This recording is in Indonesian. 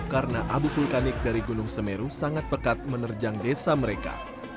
karena abu vulkanik dari gunung semeru sangat pekat menerjang desa mereka